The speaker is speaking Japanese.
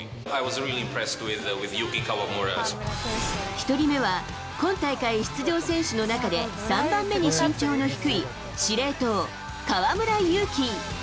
一人目は今大会出場選手の中で３番目に身長の低い司令塔・河村勇輝。